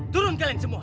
turun kalian semua